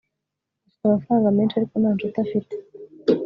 afite amafaranga menshi, ariko nta nshuti afite